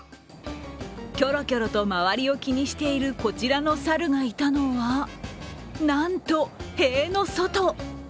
キョロキョロと周りを気にしているこちらのサルがいたのはなんと塀の外。